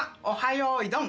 よいどん」